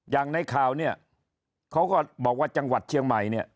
อย่างในข่าวเนี่ยเขาก็บอกว่าจังหวัดเชียงใหม่เนี่ย